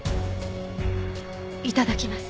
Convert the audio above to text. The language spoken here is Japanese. いただきます。